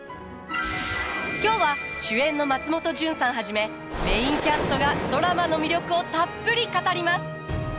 今日は主演の松本潤さんはじめメインキャストがドラマの魅力をたっぷり語ります。